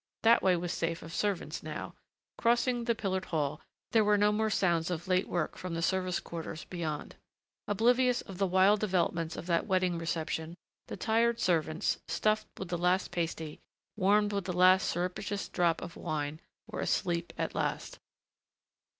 That way was safe of servants now; crossing the pillared hall there were no more sounds of late work from the service quarters beyond. Oblivious of the wild developments of that wedding reception, the tired servants, stuffed with the last pasty, warmed with the last surreptitious drop of wine, were asleep at last.